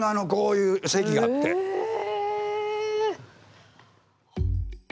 へえ。